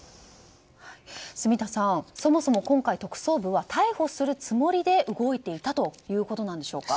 住田さん、そもそも今回特捜部は逮捕するつもりで動いていたということですか。